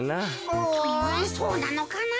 うんそうなのかな？